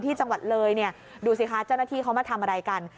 ที่จังหวัดเลยเนี่ยดูสิคะเจ้าหน้าที่เขามาทำอะไรกัน